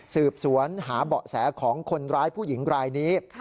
สืบสวนหาเบาะแสของคนร้ายผู้หญิงรายนี้